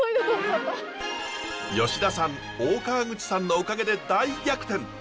吉田さん大川口さんのおかげで大逆転。